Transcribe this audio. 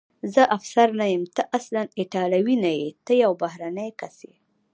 زه افسر نه یم، ته اصلاً ایټالوی نه یې، ته یو بهرنی کس یې.